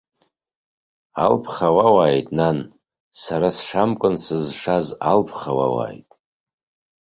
Алԥха уоуааит, нан, сара сшамкәа сызшаз, алԥха уоуааит.